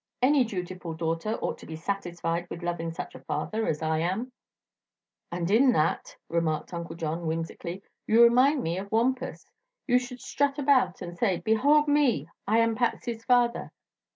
"Any dutiful daughter ought to be satisfied with loving such a father as I am." "And in that," remarked Uncle John, whimsically, "you remind me of Wampus. You should strut around and say: 'Behold me! I am Patsy's father!'"